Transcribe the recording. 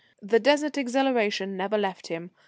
The Desert exhilaration never left him.